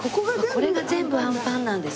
これが全部あんぱんなんですね。